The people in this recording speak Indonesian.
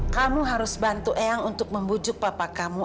kamu harus bantu eyang untuk membujuk papa kamu